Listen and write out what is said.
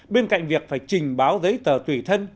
bên cạnh việc phải trình báo giấy tờ tùy thân